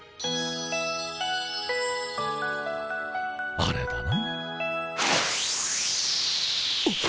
あれだな。